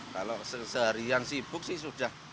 kalau seharian sibuk sih sudah